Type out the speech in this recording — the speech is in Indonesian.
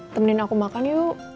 temenin aku makan yuk